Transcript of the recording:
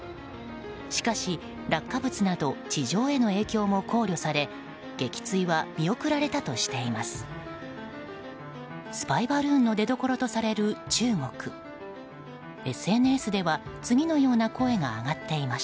しかし、落下物など地上への影響も考慮され撃墜は見送られたとしています。